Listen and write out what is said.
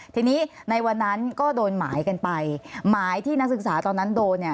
ทีนี้ในวันนั้นก็โดนหมายกันไปหมายที่นักศึกษาตอนนั้นโดนเนี่ย